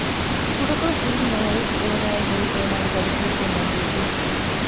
ކުޑަކޮށް ސިހުނު ނަމަވެސް އޭނާއަށް އެއީ އޭނާގެ ދަރިފުޅުކަން ޔަޤީންވި